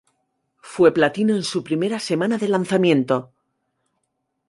Fue platino en su primera semana de lanzamiento.